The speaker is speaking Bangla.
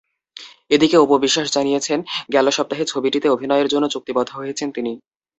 এদিকে, অপু বিশ্বাস জানিয়েছেন, গেল সপ্তাহে ছবিটিতে অভিনয়ের জন্য চুক্তিবদ্ধ হয়েছেন তিনি।